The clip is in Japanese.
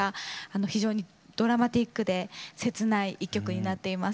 非常にドラマティックで切ない一曲になっています。